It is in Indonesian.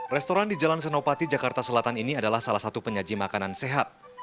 restoran di jalan senopati jakarta selatan ini adalah salah satu penyaji makanan sehat